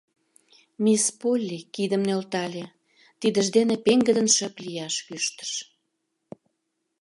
Мисс Полли кидым нӧлтале, тидыж дене пеҥгыдын шып лияш кӱштыш.